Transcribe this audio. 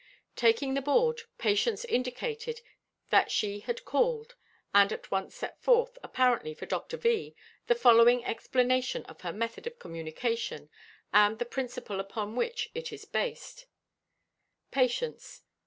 Taking the board, Patience indicated that she had called, and at once set forth, apparently for Dr. V., the following explanation of her method of communication and the principle upon which it is based: _Patience.